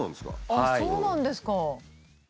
あっそうなんですか！